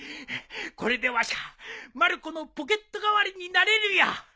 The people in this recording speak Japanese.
これでわしゃまる子のポケット代わりになれるよ。